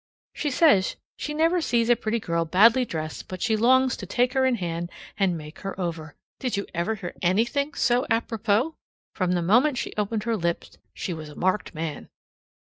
She says she never sees a pretty girl badly dressed but she longs to take her in hand and make her over. Did you ever hear anything so apropos? From the moment she opened her lips she was a marked man.